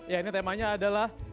ya ini temanya adalah